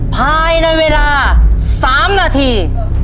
ภายในเวลา๓นาที